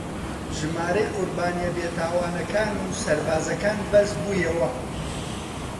ژمارەی قوربانییە بێتاوانەکان و سەربازەکان بەرز بوویەوە